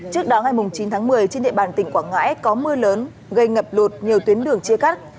trước đó ngày chín tháng một mươi trên địa bàn tỉnh quảng ngãi có mưa lớn gây ngập lụt nhiều tuyến đường chia cắt